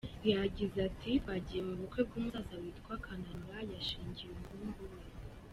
Yagize ati "Twagiye mu bukwe bw’umusaza witwa Kananura, yashyingiye umuhungu we.